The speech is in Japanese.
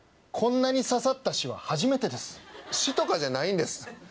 こんなに刺さった詞は初めてです詞とかじゃないんです